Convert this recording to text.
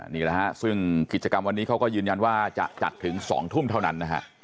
นี่แหลฮะคิดจักรกรมเบอร์วันนี้เขาก็ยืนยันว่าจะจัดถึง๒ทุ่มเท่านั้น